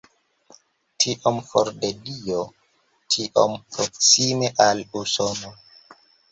Tiom for de Dio, tiom proksime al Usono".